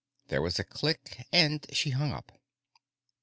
There was a click, and she hung up.